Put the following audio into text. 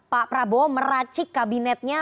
pak prabowo meracik kabinetnya